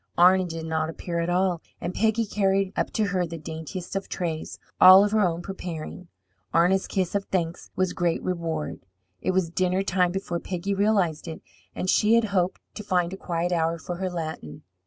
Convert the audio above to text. Arna did not appear at all, and Peggy carried up to her the daintiest of trays, all of her own preparing. Arna's kiss of thanks was great reward. It was dinner time before Peggy realized it, and she had hoped to find a quiet hour for her Latin.